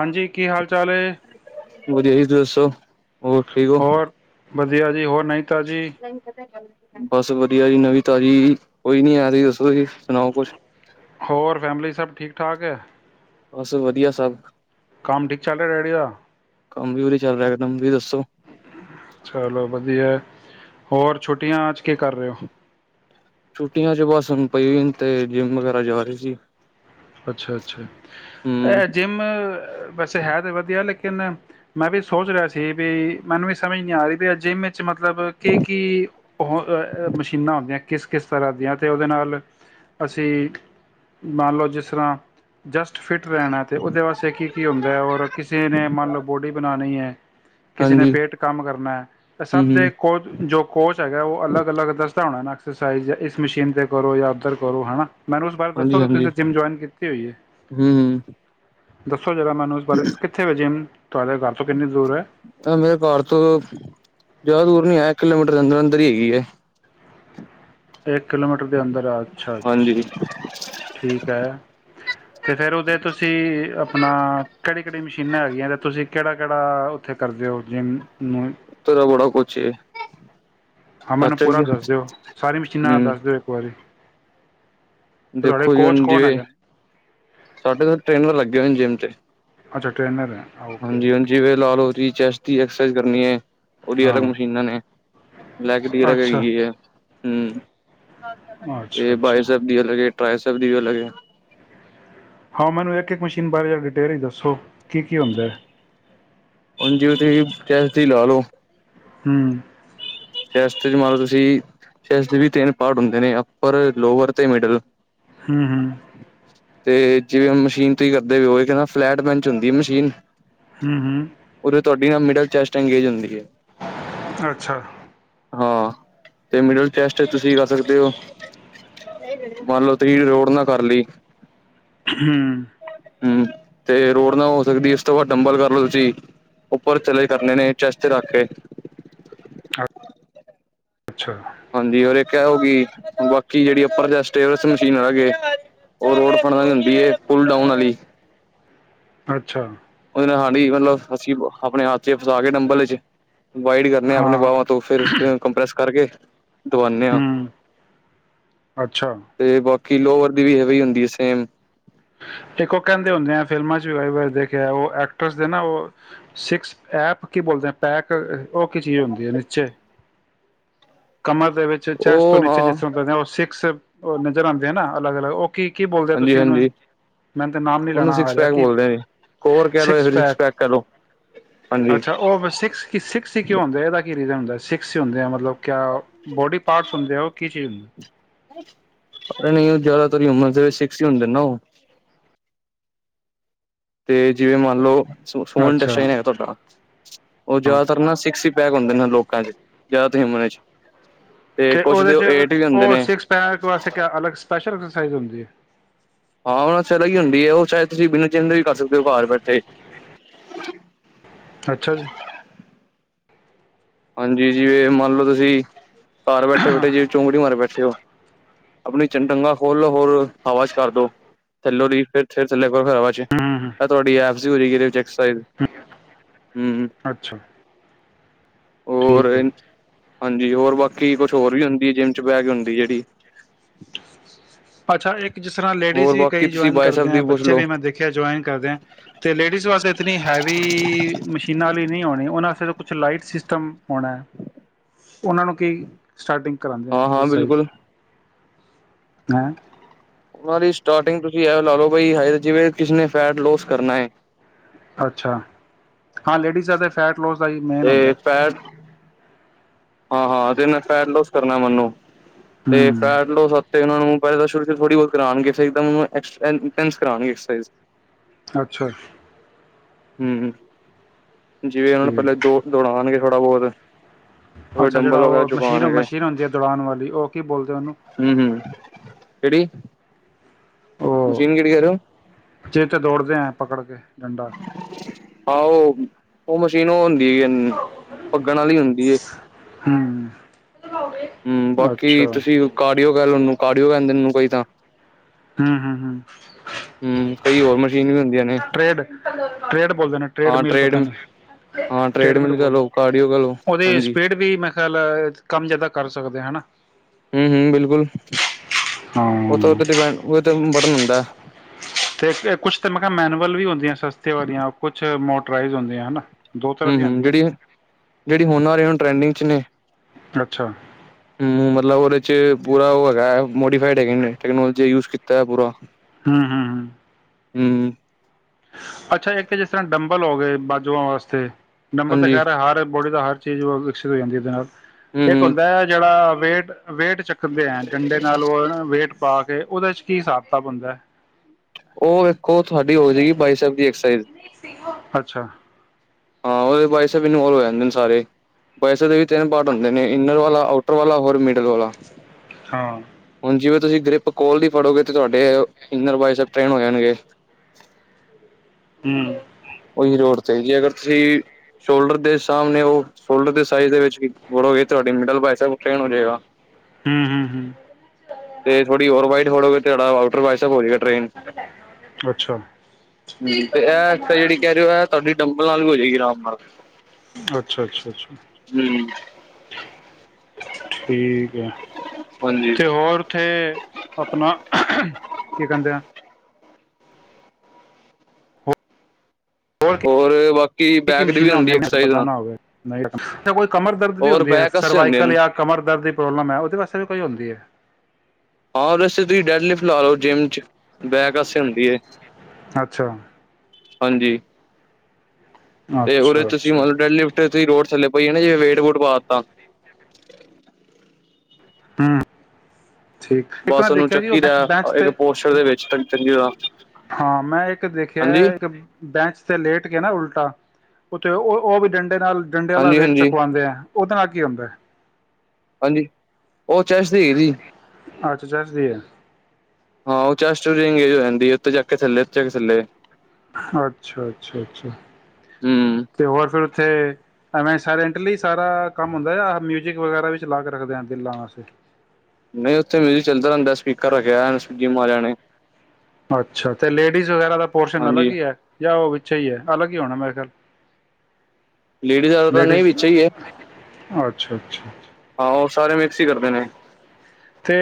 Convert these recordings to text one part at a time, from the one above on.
ਹਾਂਜੀ ਕੀ ਹਾਲ ਚਾਲ ਏ? ਵਧੀਆ ਜੀ ਤੁਸੀ ਦੱਸੋ। ਹੋਰ ਠੀਕ ਹੋ ਹੋਰ ਵਧੀਆ ਜੀ ਹੋਰ ਨਈ- ਨਹੀਂ ਪਤਾ ਗੱਲ ਬਸ ਵਧੀਆ ਜੀ ਨਵੀਂ ਤਾਜ਼ੀ ਕੋਈ ਨੀ ਐ। ਦੱਸੋ ਜੀ ਸੁਣਾਓ ਕੁਛ। ਹੋਰ ਫੈਮਲੀ ਸਭ ਠੀਕ ਠਾਕ ਹੈ। ਬਸ ਵਧੀਆ ਸਭ ਕੰਮ ਠੀਕ ਚੱਲ ਰਿਹਾ ਡੈਡੀ ਦਾ ਕੰਮ ਵੀ ਉਰੇ ਚੱਲ ਰਿਹਾ ਇੱਕਦਮ ਵੀ ਦੱਸੋ [unintelligible] ਚਲੋ ਵਧੀਆ ਹੈ ਹੋਰ ਛੁੱਟੀਆਂ ਚ ਕੇ ਕਰ ਰਹੇ ਹੋ। ਛੁੱਟੀਆਂ 'ਚ ਬਸ ਹੁਣ ਪਈ ਤੇ ਜਿੰਮ ਵਗੈਰਾ ਜਾ ਰਹੇ ਸੀ। ਅੱਛਾ -ਅੱਛਾ। ਹੂੰ ਅ ਜਿੰਮ ਵੈਸੇ ਹੈ ਤਾਂ ਵਧੀਆ ਲੇਕਨ ਨ ਮੈਂ ਵੀ ਸੋਚ ਰਿਹਾ ਸੀ, ਵੀ ਮੈਨੂੰ ਵੀ ਸਮਝ ਨੀ ਆ ਰਹੀ ਵੀ ਐ ਜਿੰਮ ਜੀ ਮਤਲਬ ਕੀ ਕੀ ਉਹ ਏ ਮਸ਼ੀਨਾਂ ਹੋਂਦੀਆਂ। ਕਿਸ ਕਿਸ ਤਰ੍ਹਾਂ ਦੀਆਂ ਤੇ ਉਦੇ ਨਾਲ ਅਸੀਂ ਮੰਨ ਲਓ ਜਿਸ- ਤਰਾਂ ਜਸਟ ਫਿਟ ਰਹਿਣਾ ਏ ਤੇ ਉਦੇ ਵਾਸਤੇ ਕੀ-ਕੀ ਹੁੰਦਾ। ਔਰ ਕਿਸੇ ਨੇ ਮੰਨ ਲਓ ਬੋਡੀ ਬਣਾਣੀ ਏ। ਕਿਸੇ ਨੇ ਹਾਂਜੀ ਪੇਟ ਕੰਮ ਕਰਨਾ ਐ। ਹੂੰ ਸਭ ਦੇ ਹੂੰ ਕੋ ਜੋ ਕੋਚ ਹੈਗਾ ਉਹ ਅਲੱਗ-ਅਲੱਗ ਦਾ- ਦਸਦਾ ਹੋਣਾ ਨਾ ਐਕਸਰਸਾਈਜ਼ ਇਸ ਮਸ਼ੀਨ ਤੇ ਕਰੋ, ਯਾ ਉੱਧਰ ਕਰੋ। ਹਨਾ ਮੈਨੂੰ ਉਸ ਬਾਰੇ ਦੱਸੋਗੇ ਤੁਸੀ ਜਿੰਮ ਜੁਆਇ- ਹੂੰਅ ਦਸੋ ਜਰਾ ਮੈਨੂੰ ਇਸ ਬਾਰੇ ਕਿੱਥੇ ਵੇ ਜਿਮ ਮੇਰੇ ਘਰ ਚੋ ਜ਼ਿਆਦਾ ਦੂਰ ਨੀ ਐ- ਕਿਲੋਮੀਟਰ ਦੇ ਅੰਦਰ- ਅੰਦਰ ਈ ਹੈਗੀ ਏ। ਇੱਕ ਕਿਲੋਮੀਟਰ ਦੇ ਅੰਦਰ। ਅੱਛਾ -ਅੱਛਾ ਹਾਂਜੀ ਠੀਕ ਐ। ਤੇ ਫੇਰ ਉਦੇ ਤੁਸੀਂ ਆਪਣਾ ਕੇੜੀ -ਕੇੜੀ ਮਸ਼ੀਨਾਂ ਹੈਗੀਆਂ ਨੇ ਤੁਸੀਂ- ਕਿਹੜਾ-ਕਿਹੜਾ ਉੱਥੇ ਕਰਦੇ ਹੋ ਜਿੰਮ ਨੂੰ ਤਰਾ ਬੜਾ ਕੁਚ ਹਾਂ ਮੈਨੂੰ ਪੂਰਾ ਦੱਸ ਦਿਓ ਸਾਰੀ ਮਸ਼ੀਨਾਂ ਹੂੰ ਦੱਸ ਦਿਓ ਇੱਕ ਵਾਰੀ ਤੇ ਤੁਹਾਡੇ ਦੇਖੋ ਕੋਚ ਜਨ ਕੌਣ ਜਵੇ ਹੈਗੇ ਸਾਡੇ ਤਾਂ ਸਟ੍ਰੇਨ ਲੱ ਘੇਊਨ ਜਿਮ ਤੇ ਅੱਛਾ ਟ੍ਰੇਨਰ ਹਾਂਜੀ ਓਕੇ-ਓਕੇ -ਹਾਂਜੀ ਵੇ ਲਾ ਲਓ ਜੀ ਚੈਸਟ ਦੀ ਐਕਸਸਾਈਜ਼ ਕਰਨੀ ਹੈ ਉਹਦੀ ਅਲੱਗ ਹਾਂ ਮਸ਼ੀਨਾਂ ਨੇ [unintelligible] ਹੂੰ [unintelligible] ਅੱਛਾ ਅੱਛਾ ਅੱਛਾ ਪੈਸੇ ਦੀ ਗੱਲ ਹੈ ਜੀ ਹਾਂ। ਮੈਨੂੰ ਇੱਕ ਇੱਕ ਮਸ਼ੀਨ ਬਾਰੇ ਜਾ ਡਿਟੇਲ ਹੀ ਦੱਸੋ ਕੀ ਕੀ ਹੁੰਦਾ ਹੈ ਹੁਣ ਦੀ ਕੀਮਤੀ ਲਾਲ ਲੋ ਹੂੰ ਚੈਸਟ ਚ ਮੰਨ ਲਓ ਤੁਸੀਂ, ਚੈਸਟ ਦੇ ਵੀ ਤਿੰਨ ਪਾਰਟ ਹੁੰਦੇ ਨੇ ਅੱਪਰ ਲੋਵਰ ਤੇ ਮਿਡਲ ਹੂੰ ਹੂੰ ਤੇ ਜਿਵੇਂ ਮਸ਼ੀਨ ਤੁਸੀਂ ਕਰਦੇ ਵੀ ਹੋ ਕਹਿੰਦਾ ਫਲੈਟ ਬੈਂਚ ਹੁੰਦੀ ਹੈ ਮਸ਼ੀਨ ਹੂੰ ਹੂੰ ਉਦੋਂ ਤੁਹਾਡੀ ਨਾਲ ਮਿਡਲ ਚੈਸਟ ਅੰਗੇਜ ਹੁੰਦੀ ਹੈ। ਅੱਛਾ ਹਾਂ ਤੇ ਮਿਡਲ ਚੈਸਟ ਤੁਸੀਂ ਕਰ ਸਕਦੇ ਹੋ ਮੰਨ ਲਓ ਤੁਸੀਂ ਰੋਡ ਨਾ ਕਰ ਲਈ ਹੂੰ ਹੂੰ, ਤੇ ਰੋਡ ਨਾ ਹੋ ਸਕਦੀ ਉਸ ਤੋਂ ਬਾਅਦ ਡੰਬਲ ਕਰ ਲੋ ਤੁਸੀਂ, ਉੱਪਰ ਚਲੇ ਕਰਨੇ ਨੇ ਚੈਸਟ ਰੱਖ ਕੇ ਅੱਛਾ ਹਾਂਜੀ ਰ ਇੱਕ ਹੋ ਗਈ ਬਾਕੀ ਜਿਹੜੀ ਅਪਰਜਸਟ ਮਸ਼ੀਨ ਰ ਗ ਉਹ ਰੋਡ ਫੜਨਾ ਹੁੰਦੀ ਹੈ ਫਲ ਡਾਊਨ ਵਾਲੀ ਅੱਛਾ ਹਾਂਡੀ ਮਤਲਬ ਅਸੀਂ ਆਪਣੇ ਹੱਥ ਚ ਫਸਾ ਕੇ ਡੰਬਲ ਚ ਵਾਈਡ ਕਰਨੇ ਆ ਆਪਣੇ ਹਾਂ ਬਾਵਾਂ ਤੋਂ ਫਿਰ ਕੰਪਰੈਸ ਕਰਕੇ ਦਵਾਨੇ ਹਾਂ ਹੂੰ ਅੱਛਾ ਤੇ ਬਾਕੀ ਕਿ ਲੋਵਰ ਦੀ ਵੀ ਇਹ ਹੀ ਹੁੰਦੀ ਹੈ ਸੇਮ ਇੱਕ ਉਹ ਕਹਿੰਦੇ ਹੁੰਦੇ ਆ ਫਿਲਮਾਂ ਚ ਵ ਦੇਖਿਆ ਉਹ ਐਕਟਰਸ ਦੇ ਨਾ ਉਹ ਸਸ ਐਪ ਕੀ ਬੋਲਦੇ ਪੈਕ ਉਹੀ ਚੀਜ਼ ਹੁੰਦੀ ਹੈ ਨੀਚੇ ਕਮਰ ਦੇ ਵਿੱਚ ਚੈਸ ਤੋਂ ਉਹ ਨੀਚੇ ਹਾਂ ਜਿਸ ਤਰ੍ਹਾਂ ਦ ਉਹ ਸਿਕਸ ਉਹ ਨਜ਼ਰ ਆਉਂਦੇ ਹੈ ਨਾ ਅਲੱਗ ਅਲੱਗ ਉਹ ਕੀ ਕੀ ਬੋਲਦੇ ਹੋ ਹਾਂਜੀ ਤੁਸੀਂ ਉਹਨੂੰ ਹਾਂਜੀ ਮੈਨੂੰ ਤੇ ਨਾਮ ਨੀ ਉਹਨੂੰ ਲੈਣਾ ਆ ਸਿਕਸ ਰਿਹਾ ਪੈਕ ਕਿ ਬੋਲਦੇ ਨੇ ਕੋਰ ਕਹਿ ਲਓ ਜਾਂ ਸੀਕਸ ਫਿਰ ਸਿਕਸ ਪੈਕ ਕਹਿ ਲਓ ਹਾਂਜੀ ਅੱਛਾ। ਉਹ ਸੀਕਸ ਹੀ ਕਿਉਂ ਹੁੰਦਾ, ਇਹਦਾ ਕੀ ਰੀਜ਼ਨ ਹੁੰਦਾ ਸਿਕਸ ਹੀ ਹੁੰਦੇ ਆ ਮਤਲਬ ਕਿਆ ਬੋਡੀ ਪਾਰਟਸ ਹੁੰਦੇ ਆ ਉਹ ਕੀ ਚੀਜ਼ ਹੁੰਦੀ ਪਰ ਨਹੀਂ ਉਹ ਜ਼ਿਆਦਾਤਰਰੀ ਉਮਰ ਦੇ ਵਿੱਚ ਸਿਕਸ ਹੀ ਹਣ ਦਿੰਦਾ ਉਹ ਤੇ ਜਿਵੇਂ ਮੰਨ ਲਓ। ਫੋਨਟ ਅੱਛਾ ਹੈਗਾ ਤੁਹਾਡਾ, ਉਹ ਹਾਂ ਜ਼ਿਆਦਾਤਰ ਨਾ ਸਿਕਸ ਪੈਕ ਹੁੰਦੇ ਨੇ ਲੋਕਾਂ ਚ। ਗਿਆ ਤੁ ਹਮਨ ਚ [inaudible] ਤੇ ਕੁਛ ਉਹਦੇ ਦੇ ਚ ਏਟ ਵੀ ਹੁੰਦੇ ਉਹ, ਨੇ ਸਿੱਕਸ ਪੈਕ ਵਾਸਤੇ ਅਲੱਗ ਸਪੈਸ਼ਲ ਸਰਸਾਈਜ਼ ਹੁੰਦੀ ਹੈ। ਹਾਂ ਉਹਨਾਂ ਸਲਾ ਹੀ ਹੁੰਦੀ ਹੈ, ਉਹ ਸ਼ਾਇਦ ਤੁਸੀਂ ਬਿਨਾਂ ਚਿੰਹਤ ਵੀ ਕਰ ਸਕਦੇ ਹੋ ਘਰ ਬੈਠੇ ਅੱਛਾ ਜੀ। ਹਾਂਜੀ, ਜੀਵੇ ਮੰਨ ਲਓ ਤੁਸੀਂ ਘਰ ਬੈਠੇ -ਬੈਠੇ ਜਿਵੇ, ਚੁੰਕੜੀ ਮਾਰੇ ਬੈਠੇ ਓ। ਆਪਣੀ ਚਨ ਡੰਗਾ ਖੋਲ ਹੋਰ, ਆਵਾਜ਼ ਕਰ ਦੋ ਥੱਲੋ ਦੀ ਫਿਰ ਿਰ ਥੱਲੇ ਰਾਵਾ ਚ ਹੂੰ ਤੁਹਾਡੀ ਐ [inaudible] ਹੋ ਗਏ ਚ [inaudible] ਹਮ ਅੱਛਾ ਠੀਕ ਹੈ। ਹਾਂਜੀ, ਹੋਰ ਬਾਕੀ ਕੁਛ ਹੋਰ ਵੀ ਹੁੰਦੀ ਹੈ, ਜਿੰਮ ਚ ਬਹਿ ਕੇ ਹੁੰਦੀ ਜਿਹੜੀ। ਅੱਛਾ ਇੱਕ ਜਿਸ ਤਰ੍ਹਾਂ ਲੇਡੀਜ਼ ਹੋਰ ਵੀ ਬਾਕੀ ਕਈ ਤੁਸੀਂ ਜਆਇਨ ਕਰਦੇ ਬਾਏਸੈਪ ਆ, ਦੀ ਪੁੱਛ ਬੱਚੇ ਲਓ ਵੀ ਮੈਂ ਦੇਖਿਆ ਜੁਆਇਨ ਕਰਦੇ ਆ, ਤੇ ਲੇਡੀਜ਼ ਵਾਸਤੇ ਇਤਨੀ ਹੈਵੀ ਮਸ਼ੀਨਾਂ ਲਈ ਨ ਆਉਣੀ ਉਹ ਕੁਛ ਲਾਈਟ ਸਿਸਟਮ ਹੋਣੈ, ਉਹਨਾਂ ਨੂੰ ਕੀ ਸਟਾਰਟਿੰਗ ਕਰਾਂਦੇ ਆ ਹਾਂ-ਹਾਂ ਐਕਸਰਸਾਈਜ਼ ਬਿਲਕੁਲ ਹੈਂ? ਉਹਨਾਂ ਦੀ ਸਟਾਰਟਿੰਗ ਤੁਸੀਂ ਇਹ ਲਾ ਲੋ ਬ ਹ, ਜਿਵੇਂ ਕਿਸੇ ਨੇ ਫੈਟ ਲੋਸ ਕਰਨਾ ਹੈ। ਅੱਛਾ, ਹਾਂ ਲੇਡੀਜ਼ ਤੇ ਫੈਟ ਕਲੋਜ਼ ਦਾ ਹੀ ਮੇਨ ਹੁੰਦਾ [inaudible] ਹਾਂ, ਹਾਂ ਤੇ ਮ ਫੈਟ ਲੋਸ ਕਰਨਾ ਮੈਨੂੰ? ਤੇ ਹੂੰ ਫੈਟਲਸ ਉੱਥੇ ਉਹਨਾਂ ਨੂੰ ਹਿ ਸ਼ੁਰੂ ਥੋੜ੍ਹੀ ਬਹੁਤਾਗੇ [inaudible] ਅੱਛਾ। ਹਮ। ਜਿਵੇਂ ਉਹਨਾਂ ਨੂੰ, ਪਹਿਲੇ ਠੀਕ ਦੋੜ ਦੌੜਾਉਣਗੇ। ਥੋੜਾ ਬਹੁਤ ਕੋਈ ਅੱਛਾ, ਜਿਹੜਾ ਡੰਬਲ ਵਗੈਰਾ ਉਹ ਮਸ਼ੀਨ ਚੁਕਾਉਣਗੇ -ਮਸ਼ੀਨ ਹੁੰਦੀ ਹੈ ਦੌੜਾਉਣ ਵਾਲੀ ਉਹ ਕੀ ਬੋਲਦੇ ਉਹਨੂੰ? ਹੂੰ-ਹੂੰ ਕਿਹੜੀ ਉਹ ਮਸ਼ੀਨ ਕਿਹੜੀ ਕਹਿ ਰਹੇ ਹੋ ਚੀਤੇ ਦੌੜਦੇ ਹੈ, ਪਕੜ ਕੇ ਡੰਡਾ ਆੋ [inaudible] ਉਹ ਮਸ਼ੀਨ ਉਹ ਹੁੰਦੀ ਹ ਪੱਗਣ ਵਾਲੀ ਹੁੰਦੀ [inaudible] ਹੂੰ, ਹੂੰ, ਅੱਛਾ ਬਾਕੀ ਤੁਸੀਂ ਕਾਰਡੀਓ ਕਹਿ ਲਓੂ ਕਾਰਡੀਓ ਕਹਿੰਦੇ ਨੂੰ ਕੋਈ ਤਾਂ ਹੂੰ-ਹੂੰ-ਹੂੰ, ਹੂੰ ਕਈ ਹੋਰ ਮਸ਼ੀਨ ਵੀ ਹੁੰਦੀਆਂ ਨੇ ਟਰੇਡ ਟਡ ਬੋਲਦੇ ਨੇ ਟਰੇਡ ਹਾਂ ਮੀਲ ਟ੍ਰੇਡ ਪਤਾ ਨੀ ਹਾਂ ਟ੍ਰੇਡ ਟਰੇਡ ਮੀਲ ਮਿਲ ਕਰ ਬੋਲਦੇ ਲੋ ਕਾਰਡੀਓ ਕਰ ਲੋ ਦੀ ਹਾਂਜੀ ਸਪੀਡ ਵੀ ਮੈਂ ਖਿਆਲ ਕੰਮ ਜਿਆਦਾ ਕਰ ਸਕਦੇ ਆ ਹਨਾ। ਹੂੰ ਹੂੰ ਬਿਲਕੁਲ ਉਹ ਤਾਂ ਹਾਂ ਉਤੇ ਡਿਪੈਂਡ ਉਹ ਤੇ ਬਟਨ ਹੁੰਦਾ। ਤੇ ਕੁਛ ਤਾਂ ਮੈਂ ਕਿਹਾ ਮੈਨੂਅਲ ਵੀ ਹੁੰਦੀ ਸਸਤੇ ਵਾਲੀਆਂ ਕੁਛ ਮੋਟਰਾਈਜ਼ ਹੁੰਦੀਆਂ ਹਨਾ। ਦੋ ਤਰ੍ਹਾਂ ਦੀਆਂ ਹੂੰ-ਹੂੰ, ਹੁੰਦੀਆਂ ਜਿਹੜੀ ਨੇ ਜਿਹੜੀ ਹੁਨਾਂ ਵਾਲੇ ਹੁਣ ਟਰੈਂਡਿੰਗ ਨੇ, ਅੱਛਾ, ਵਿੱਚ ਪੂਰਾ ਉਹ ਹੈਗਾ ਹੈ। ਮੋਡੀਫਾਈਡ ਹੈਗੇ ਨੇ ਟੈਕਨੋਲਜੀ ਯੂਜ, ਤੇ ਪੂਰਾ, ਹੂੰ-ਹੂੰ-ਹੂੰ, ਹੂੰ, ਅੱਛਾ ਇੱਕ ਤਾਂ ਜਿਸ ਤਰ੍ਹਾਂ ਡੰਬਲ ਹੋ ਗਏ ਬਾਜੂਆਂ ਵਾਸਤੇ ਨੰਬਰ ਤਾਂ ਹਾਂਜੀ ਖੈਰ ਹਰ ਬੋਡੀ ਦਾ ਹਰ ਚੀਜ਼ ਉਹ ਵਿਕਸਿਤ ਜਾਂਦੀ ਉਹਦੇ ਨਾਲ ਹੂੰ ਇੱਕ ਹੂੰ ਹੁੰਦਾ ਹੈ ਜਿਹੜਾ, ਪੇਟ ਵੇਟ ਚੱਕਦੇ ਆ ਡੰਡੇ ਨਾਲ ਉਹ ਵੇਟ ਪਾ ਤੇ ਉਹਦੇ ਚ ਕੀ ਹਾਸਤਾ ਬਣਦਾ, ਉਹ ਖੋ ਤੁਹਾਡੀ ਹੋ ਜਾਏਗੀ ਬਾਈਸਬ ਦੀ ਐਕਸ ਅੱਛਾ ਹਾਂ ਔ ਪੈਸੇ ਬਿਨਾ ਔ ਹੋ ਜਾਦੇ ਸਾਰੇ ਪੈਸੇ ਦੇ ਈ ਤਿੰਨ ਪਾਰਟ ਹੁੰਦੇ ਨੇ ਇਨਰ ਵਾਲਾ ਆਊਟਰ ਵਾਲਾ ਹੋਰ ਮ [unintelligible] ਹਾਂ, ਜਿਵੇਂ ਤੁਸੀਂ ਗ੍ਰਿਪ ਕੋਲ ਦੀ ਫੜੋਗੇ ਤੇ ਤੁਹਾਡੇ ਇੰਨਰ [unintelligible] ਹੋ ਜਾਣਗੇ। ਹੂੰ। ਜੀ ਟੀ ਰੋਡ ਤੇ ਜੇ ਅਗਰ ਤੁਸੀਂ ਸ਼ੋਲਡਰ ਦੇ ਸਾਹਮਣੇ ਉਹ ਸ਼ੋਲਡਰ ਦੇ ਸਾਈਜ਼ ਵਿੱਚ ਬੜੋਗੇ ਤੁਹਾਡੀ ਮਿਡਲ [unintelligible] ਟੇਨ ਹੋ ਜਾਏਗਾ। ਹੂੰ-ਹੂੰ-ਹੂੰ, ਤੇ ਥੋੜੀ ਹੋਰ ਨਹੀਂ [unintelligible] ਤਾਂਡਾ ਵਾਓਚਰ ਵ੍ਹਟਸਐਪ ਹੋਜੇ ਗਾ। ਹੂੰ ਤੇ ਇਹ ਜਿਹੜੀ ਕਹਿ ਰਹੇ ਹੋ ਇਹ ਤੁਹਾਡੀ ਡੰਬਲ ਨਾਲ ਵੀ ਹੋ ਜਾਏਗੀ ਆਰਾਮ ਨਾਲ। ਅੱਛਾ-ਅੱਛਾ-ਅੱਛਾ-ਅੱਛਾ। ਹੂੰ ਠੀਕ ਹੈ ਹਾਂਜੀ ਤੇ ਉ ਹੋਰ ਉੱਥੇ ਆਪਣਾ ਕੀ ਕਹਿੰਦੇ ਐ ਹੋਰ ਕੀ ਬਾਕੀ ਕੀ ਕੀ ਬੈਕ ਦੀ ਵੀ ਮਸ਼ੀਨਾਂ ਹੁੰਦੀ ਹੁੰਦੀਆਂ ਐਕਸਰਸਾਈਜ਼ ਪਤਾ ਆ। ਨਾ ਹੋਵੇ [unintelligible] ਕੋਈ ਕਮਰ ਦਰਦ ਵੀ ਹੋਰ ਹੁੰਦੀ ਹੈ ਬੈਕ ਆਸੇ ਹੁੰਦੇ ਸਰਵਾਈਕਲ ਨੇ ਜਾਂ ਕਮਰ ਦਰਦ ਦੀ। [unintelligible] ਮੈਂ ਉਹਦੇ ਵਾਸਤੇ ਵੀ ਪਈ ਹੁੰਦੀ ਏ। ਹਾਂ ਵੈਸੇ ਤੁਸੀਂ ਡੈਡ ਲਿਫਟ ਲਾਦਿਓ ਜਿੰਮ ਚ। ਬੈਕ ਵਾਸਤੇ ਹੁੰਦੀ ਏ। ਅੱਛਾ ਹਾਂਜੀ। ਤੇ ਉਦੇ ਅੱਛਾ ਤੁਸੀਂ ਅੱਛਾ ਮਤਲਬ ਡੈਡਲਿਫਟ ਚ ਰੋਡ। ਚੱਲੇ ਪਈ ਆ ਨੇ ਜਿਵੇਂ ਵੇਟ ਵੂਟ ਪਾ ਹੂੰ ਠੀਕ ਇੱਕ ਮੈਂ ਬਸ ਉਹਨੂੰ ਦੇਖਿਆ ਜੀ ਉਹ ਚੱਕੀ ਦਾ ਬੈਂਚ ਬੈਂਚ ਤੇ ਇੱਕ ਪੋਸਚਰ ਦੇ ਵਿੱਚ ਚੰਗੀ ਤਰ੍ਹਾਂ ਹਾਂ ਮੈਂ ਇੱਕ ਦੇਖਿਆ ਹਾਂਜੀ, ਇੱਕ ਬੈਂਚ ਤੇ ਲੇਟ ਕੇ ਨਾ ਉਲਟਾ। ਉੱਥੇ ਉਹ ਉਹ-ਉਹ ਵੀ ਡੰਡੇ ਨਾਲ। ਡੰਡੇ ਵਾਲਾ ਹਾਂਜੀ, ਵੇਟ ਹਾਂਜੀ, ਚੁਕਵਾਉਂਦੇ ਆ ਉਹਦੇ ਨਾਲ ਕੀ ਹੁੰਦਾ ਹੈ। ਹਾਂਜੀ ਉਹ ਚੈਸਟ [unintelligible] ਹੀ। ਚੈਸਟ ਦੀ ਹੈ [unintelligible] ਅੱਛਾ ਅੱਛਾ-ਅੱਛਾ ਹੂੰ ਤੇ [unintelligible] ਤੇ। ਐਵੇਂ ਸਾਰੇ [unintelligible] ਸਾਰਾ ਕੰਮ ਹੁੰਦਾ ਜਾ ਮਿਊਜਿਕ ਵਗੈਰਾ ਚਲਾ ਕੇ ਰੱਖਦੇ ਆ ਜਿੰਮਾ ਵਾਸਤੇ। ਨਹੀਂ ਉੱਥੇ ਮਿਊਜਿਕ ਚੱਲਦਾ ਰਹਿੰਦਾ ਸਪੀਕਰ ਰੱਖਿਆ ਜਿਮ ਵਾਲਿਆਂ ਨੇ। ਅੱਛਾ ਤੇ ਲੇਡੀਜ ਵਗੈਰਾ ਦਾ ਪੋਰਸ਼ਨ ਅਲੱਗ ਹਾਂਜੀ ਹੀ ਹੈ ਜਾਂ ਉਹ ਵਿੱਚੇ ਹੀ ਹੈ ਅਲੱਗ ਕੀ ਆਉਣਾ ਮੇਰੇ ਖਿਆਲ। ਲੇਡੀਜ਼ ਵਾਲਾ ਤਾਂ ਲੇਡੀਜ ਨਹੀਂ ਵਿੱਚ ਹੀ ਹੈ ਅੱਛਾ-ਅੱਛਾ। ਹਾਂ ਉਹ ਸਾਰੇ ਮਿਕਸ ਹੀ ਕਰਦੇ ਨੇ ਤੇ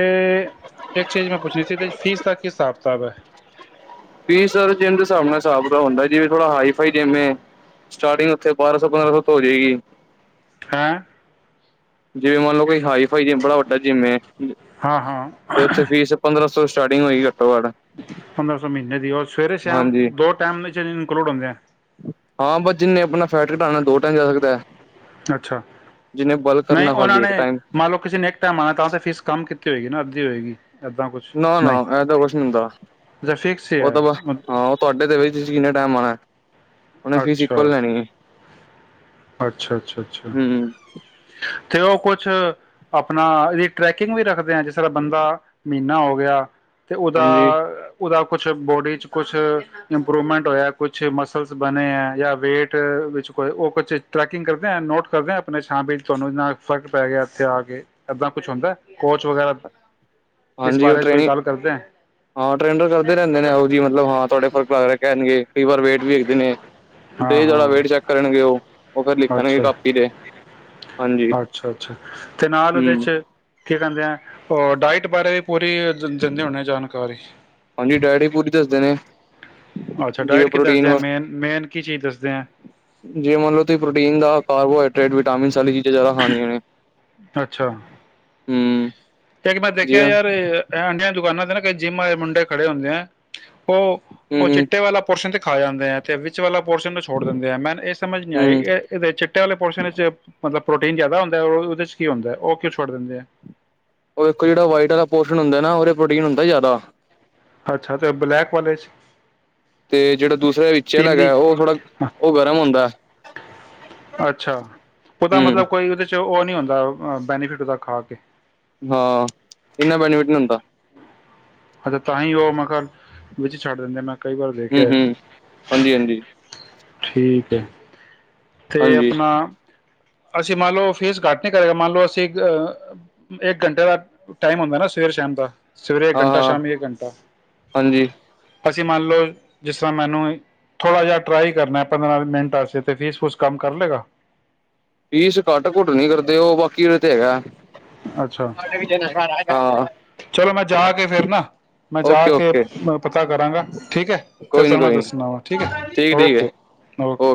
ਇੱਕ ਚੀਜ਼ ਮੈਂ ਪੁੱਛਣੀ ਸੀ ਇਹਦੇ ਵਿੱਚ ਫੀਸ ਉਹਦਾ ਕੀ ਹਿਸਾਬ ਕਿਤਾਬ ਏ। ਫੀਸ ਜਿਮ ਦੇ ਹਿਸਾਬ ਨਾਲ ਹਿਸਾਬ ਹੁੰਦਾ ਜੀਵੇ ਥੋੜਾ ਹਾਈ ਫਾਈ ਜਿਮ ਏ ਸਟਾਰਟਿੰਗ ਉੱਥੇ ਬਾਰਾਂ ਸੌ ਪੰਦਰਾਂ ਸੌ ਤੋਂ ਹੋ ਜਾਏਗੀ। ਹੈਂ। ਜਿਵੇਂ ਮੰਨਲਓ ਕੋ ਹਾਈ ਫਾਈ ਜਿਮ ਬੜਾ ਵੱਡਾ ਜਿਮ ਏ ਹਾਂ ਹਾਂ ਉਥੇ ਫੀਸ ਪੰਦਰਾਂ ਸੋ ਕਦੋਂ ਸਟਾਰਟਿੰਗ ਹੋਈ ਏ। ਪੰਦਰਾਂ ਸੌ ਮਹੀ [unintelligible] [inaudible] ਸਵੇਰੇ ਸ਼ਾਮ ਹਾਂਜੀ ਦੋ ਟਾਈਮ ਇਨਕਲੂਡ ਹੁੰਦੇ ਆ ਹਾਂ ਬਸ ਜਿੰਨੇ ਆਪਣਾ ਫੈਟ ਘਟਾਉ ਦੋ ਟਾਈਮ ਜਾ ਸਕਦਾ ਹੈ ਅੱਛਾ ਨਹੀਂ ਉਹਨਾਂ ਖਾਲੀ ਇੱਕ ਨੇ ਟਾਈਮ ਮੰਨ ਲਓ ਕਿਸੇ ਨੇ [inaudible] ਤਾਂ ਤੇ ਫੀਸ ਕੰਮ ਕੀਤਾ ਏਗੀ ਨਾ ਅੱਧੀ ਹੋਏਗੀ ਏਦਾਂ ਕੁਛ ਨਾ ਨਾ ਨਹੀਂ ਇਹ ਤਾਂ ਕੁਛ ਨੀ ਹੁੰਦਾ ਅੱਛਾ ਫਿਕਸ ਹੀ ਉਹ ਹੈ ਤਾਂ ਹਾਂ ਉਹ ਤੁਹਾਡੇ ਤੇ ਵੀ ਤੁਸੀ ਕਿੰਨਾ ਟਾਈਮ ਆਉਣਾ ਅੱਛਾ ਅੱਛਾ ਅੱਛਾ ਅੱਛਾ ਹੂੰ ਤੇ ਉਹ ਕੁਛ ਆਪਣਾ ਇਹਦੀ ਟਰੈਕਿੰਗ ਵੀ ਰੱਖਦੇ ਹਾਂ ਜਿਸ ਤਰ੍ਹਾਂ ਬੰਦਾ ਮਹੀਨਾ ਹੋ ਗਿਆ ਤੇ ਉਹਦਾ ਹਾਂਜੀ-ਹਾਂਜੀ ਉਹਦਾ ਕੁਛ ਬੋਡੀ ਚ ਕੁਛ ਇੰਪਰੂਵਮੈਂਟ ਹੋਇਆ ਕੁਛ ਮਸਲ ਬਣੇ ਆ ਜਾਂ ਵੇਟ ਵਿੱਚ ਕੋ ਉਹ ਕੁਛ ਟਰੈਕਿੰਗ ਕਰਦੇ ਆ ਨੋਟ ਕਰਦੇ ਆਪਣੇ ਤੁਹਾਨੂੰ ਫ਼ਰਕ ਪੈ ਗਿਆ ਇਥੇ ਆ ਕੇ ਏਦਾਂ ਕੁਛ ਹੁੰਦਾ ਕੋਚ ਵਗੈਰਾ ਇਸ ਹਾਂਜੀ ਉਹ ਬਾਰੇ ਚ ਕੋਈ ਟ੍ਰੇਨਿੰ [unintelligible] ਗੱਲ ਕਰਦੇ ਆ ਹਾਂ ਟ੍ਰੇਨਰ ਕਰਦੇ ਰਹਿੰਦੇ ਨੇ ਉਹੋ ਜਿ ਮਤਲਬ ਹਾਂ ਤੁਹਾਡੇ ਫ਼ਰਕ ਲੱਗ ਰਹੇ ਕਹਿਣਗੇ ਕਈ ਵਾਰ ਵੇਟ ਵੀ ਨੇ ਹਾਂ ਤੇ ਤੁਹਾਡਾ ਹਾਂ ਵੇਟ ਚੈੱਕ ਕਰਨਗੇ ਉਹ ਉਹ ਫਿਰ ਲਿਖਣਗੇ ਅੱਛਾ ਕਾਪੀ ਤੇ ਹਾਂਜੀ ਅੱਛਾ ਅੱਛਾ ਤੇ ਨਾਲ ਉਹਦੇ ਹੂੰ ਚ ਕੀ ਕਹਿੰਦੇ ਆ ਡਾਇਟ ਬਾਰੇ ਪੂਰੀ ਦਿੰਦੇ ਹੁੰਦੇ ਜਾਣਕਾਰੀ ਹਾਂਜੀ ਡਾਇਟ ਪੂਰੀ ਦੱਸਦੇ ਨੇ ਅੱਛਾ ਜੀ ਡਾਇਟ ਕੀ ਦੱਸਦੇ ਪ੍ਰੋਟੀਨ ਆ ਮੇਨ ਮੇਨ ਕੀ ਚੀਜ਼ ਦੱਸਦੇ ਆ ਜੇ ਮੰਨ ਲਓ ਤੁਸੀਂ ਪ੍ਰੋਟੀਨ ਦਾ ਕਾਰਬੋ ਡਾਇਟ ਵਿੱਚ ਵਿਟਾਮਿਨਸ ਵਾਲੀ ਚੀਜ਼ਾਂ ਜ਼ਿਆਦਾ ਖਾਣੀਆਂ ਨੇ ਹੂੰ ਇਕ ਮੈਂ ਦੇਖਿਆ ਜਿਵੇਂ ਯਾਰ ਦੁਕਾਨਾਂ [unintelligible] ਕਿੰਦੇ ਨਾ ਕ ਜਿੰਮ ਆੇ ਮੁੰਡੇ ਖੜੇ ਹੁੰਦੇ ਹੈ [unintelligible] ਉਹ ਉਹ ਚਿੱਟੇ ਹੂੰ-ਹੂੰ-ਹੂੰ ਵਾਲਾ ਪੋਰਸ਼ਨ ਤੇ ਖਾ ਜਾਂਦੇ ਹੈ ਤੇ ਵਿੱਚ ਵਾਲਾ ਪੋਰਸ਼ਨ ਨੂੰ ਛੱਡ ਦਿੰਦੇ ਹੈ ਮੈਨੂੰ ਇਹ ਸਮਝ ਨਹੀਂ ਆਈ ਇਹਦੇ ਚਿੱਟੇ ਵਾਲੇ ਪੋਰਸ਼ਨ ਵਿੱਚ ਮਤਲਬ ਪ੍ਰੋਟੀਨ ਜ਼ਿਆਦਾ ਹੁੰਦਾ ਹੈ ਉਹਦੇ ਚ ਕੀ ਹੁੰਦਾ ਹੈ ਉਹ ਕਿਉਂ ਛੱਡ ਦਿੰਦੇ ਆ ਉਹ ਇੱਕੋ ਜਿਹੜਾ ਵਾਈਟ ਵਾਲਾ ਪੋਸ਼ਸ਼ਨ ਹੁੰਦਾ ਨਾ ਉਹਦੇ ਪ੍ਰੋਟੀਨ ਹੁੰਦਾ ਜ਼ਿਆਦਾ ਅੱਛਾ ਤੇ ਬਲੈਕ ਵਾਲੇ ਚ ਤੇ ਜਿਹੜਾ ਦੂਸਰੇ ਵਿਚ ਵਾਲਾ ਪੀਲੀ ਹੈਗਾ ਉਹ ਥੋੜਾ ਉਹ ਗਰਮ ਹੁੰਦਾ ਅੱਛਾ ਹਮ ਨਹੀ ਹੁੰਦਾ ਬੈਨੀਫਿਟ ਉਹਦਾ ਖਾ ਕੇ ਹਾਂ ਇੰਨਾ ਬੈਨੀਫਿਟ ਨਹੀ ਹੁੰਦਾ ਹ ਤਾਂਹੀ ਉਹ ਮੈਂ ਕਿਹਾ ਵਿੱਚ ਛੱਡ ਦਿੰਦੇ ਮੈਂ ਕਈ ਵਾਰ ਹਮ ਦੇਖਿਆ ਹਮ ਹਾਂਜੀ ਹਾਂਜੀ ਠੀਕ ਹੈ ਅਤੇ ਹਾਂਜੀ ਆਪਣਾ ਅਸੀਂ ਮੰਨ ਲਓ ਫੀਸ ਘੱਟ ਨਹੀਂ ਕਰੇਗਾ ਮੰਨ ਲਓ ਅਸੀਂ ਇੱਕ ਘੰਟੇ ਦਾ ਟਮ ਹੁੰਦਾ ਨਾ ਸਵੇਰ ਸ਼ਾਮ ਦਾ [unintelligible] ਸਵੇਰੇ ਇੱਕ ਹਾਂ ਘੰਟਾ ਹਾਂ ਸ਼ਾਮੀ ਇੱਕ ਘੰਟਾ ਹਾਂਜੀ ਅਸੀਂ ਮੰਨ ਲੌ ਜਿਸ ਤਰ੍ਹਾਂ ਮੈਨੂੰ ਥੋੜਾ ਜਿਹਾ ਟਰਾਈ ਕਰਨਾ ਪੰਦਰਾਂ ਮਿੰਟ ਵਾਸਤੇ ਤੇ ਫੀਸ ਫੂਸ ਕੰਮ ਕਰ ਲਵੇਗਾ ਫੀਸ ਘੱਟ ਘੁੱਟ ਨੀ ਕਰਦੇ ਉਹ ਬਾਕੀ ਉਹ ਤੇ ਹੈਗਾ ਅੱਛਾ ਹਾਂ ਚਲੋ ਮੈਂ ਜਾ ਕੇ ਫਿਰ ਨਾ ਮੈਂ ਜਾ ਓਕੇ ਕੇ ਓਕੇ ਪਤਾ ਕਰਾਂਗਾ ਠੀਕ ਹੈ ਫੇਰ ਕੋਈ ਨੀ ਤੁਹਾਨੂੰ ਮੈਂ ਕੋਈ ਨੀ ਦੱਸਣਾ ਵਾ ਠੀਕ ਹੈ ਠੀਕ ਠੀਕ ਓਕੇ ਹੈ ਓਕੇ